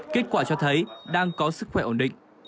kết quả cho thấy đang có sức khỏe ổn định